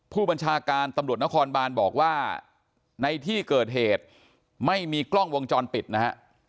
ผู้บัญชาการตำรวจนครบานบอกว่าในที่เกิดเหตุไม่มีกล้องวงจรปิดนะฮะ